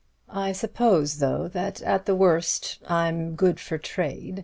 I suppose though, at the worst, I'm good for trade.